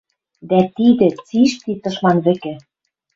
Дӓ тидӹ цишти тышман вӹкӹ».